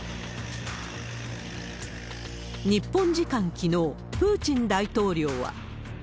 日本時間きのう、プーチン大統領は。